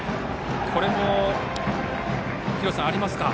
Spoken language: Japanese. これもありますか。